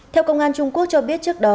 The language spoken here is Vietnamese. theo công an trung quốc cho biết trước đó